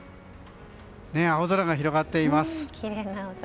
青空が広がっています。